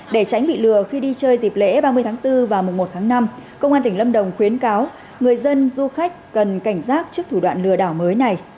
để tránh bị lừa khi đi chơi dịp lễ ba mươi tháng bốn và mùa một tháng năm công an tỉnh lâm đồng khuyến cáo người dân du khách cần cảnh giác trước thủ đoạn lừa đảo mới này